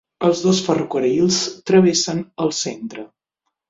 Els dos ferrocarrils travessen el centre.